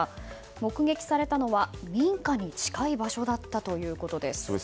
目撃されたのは民家に近い場所だったということです。